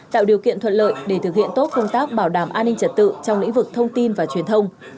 tạo điều kiện thuận lợi để thực hiện tốt công tác bảo đảm an ninh trật tự trong lĩnh vực thông tin và truyền thông